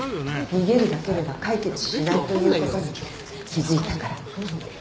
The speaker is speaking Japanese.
「逃げるだけでは解決しないということに気付いたから」どうすんだ？